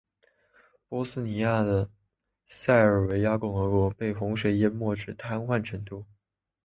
波斯尼亚的塞尔维亚共和国被洪水淹没至瘫痪程度。